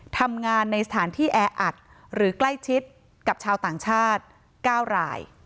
ทำงานในสถานที่แออัดหรือใกล้ชิดกับชาวต่างชาติ๙ราย